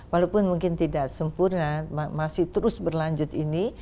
walaupun mungkin tidak sempurna masih terus berlanjut ini